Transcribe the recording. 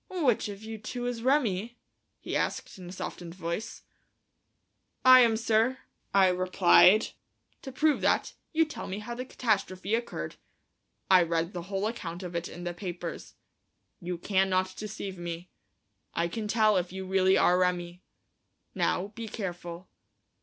"Which of you two is Remi?" he asked, in a softened voice. "I am, sir," I replied. "To prove that, you tell me how the catastrophe occurred. I read the whole account of it in the papers. You cannot deceive me. I can tell if you really are Remi. Now, be careful."